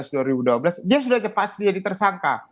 dia sudah pasti jadi tersangka